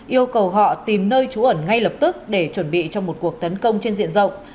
yêu cầu họ tìm nơi trú ẩn ngay lập tức để chuẩn bị cho một cuộc tấn công trên diện rộng